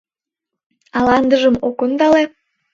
Ала ындыжым ок ондале?